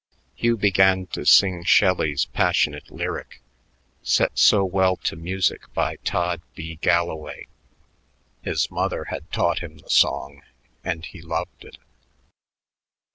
Hugh began to sing Shelley's passionate lyric, set so well to music by Tod B. Galloway. His mother had taught him the song, and he loved it.